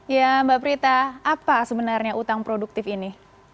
ya mbak prita apa sebenarnya utang produktif ini